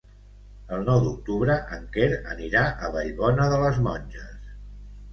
El nou d'octubre en Quer anirà a Vallbona de les Monges.